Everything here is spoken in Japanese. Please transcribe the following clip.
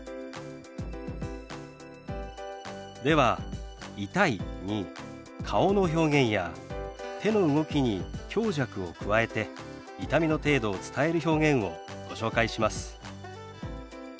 では「痛い」に顔の表現や手の動きに強弱を加えて痛みの程度を伝える表現をご紹介します。